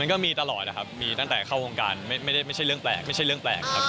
มันก็มีตลอดครับมีตั้งแต่เข้าโครงการไม่ใช่เรื่องแปลกครับ